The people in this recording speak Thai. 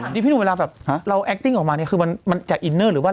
พี่หนูเวลาแบบเราแอคติ้งออกมามันจะอินเนอร์หรือว่า